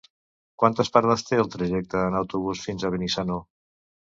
Quantes parades té el trajecte en autobús fins a Benissanó?